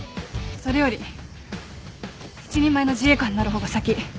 それより一人前の自衛官になる方が先。